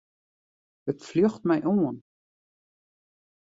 It fljocht my oan.